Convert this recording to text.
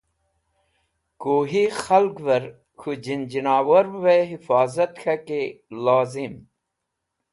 Kuhi Khalgver K̃hu Jinjinawarve Hifozat K̃haki Lozim